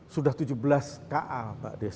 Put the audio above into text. sudah tujuh belas ka mbak des